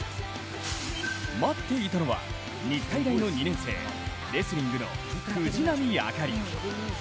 待っていたのは日体大の２年生レスリングの藤波朱理。